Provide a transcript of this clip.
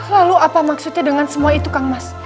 lalu apa maksudnya dengan semua itu kang mas